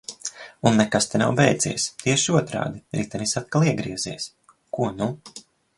Un nekas te nav beidzies – tieši otrādi – ritenis atkal iegriezies. Ko nu?